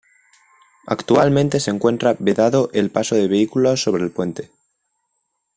Actualmente se encuentra vedado el paso de vehículos sobre el puente.